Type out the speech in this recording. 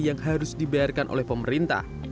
yang harus dibayarkan oleh pemerintah